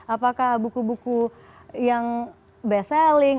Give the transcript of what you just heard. apakah buku buku yang best selling